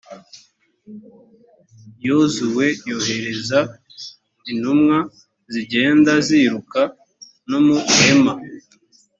yozuwe yohereza intumwa zigenda ziruka no mu ihema.